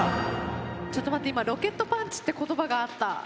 ちょっと待って今「ロケットパンチ」って言葉があった。